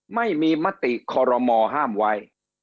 ไม่มีมติคอรมอห้ามไว้